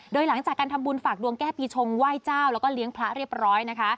โดยหลังจากการทำบุญฝากดวงแก้ปีชงไหว้เจ้าแล้วก็เลี้ยงพระเรียบร้อยนะคะ